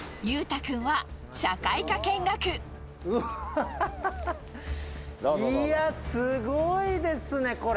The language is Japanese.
うわぁ、いやー、すごいですね、これ。